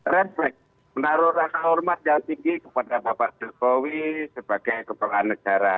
refleks menaruh rasa hormat yang tinggi kepada bapak jokowi sebagai kepala negara